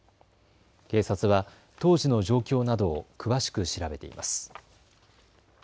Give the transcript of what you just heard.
警察は当時の状況などを詳しく調べています。